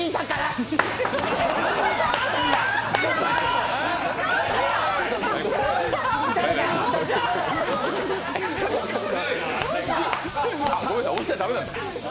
ごめんなさい、押しちゃ駄目なんですか。